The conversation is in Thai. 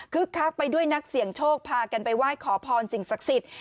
คักไปด้วยนักเสี่ยงโชคพากันไปไหว้ขอพรสิ่งศักดิ์สิทธิ์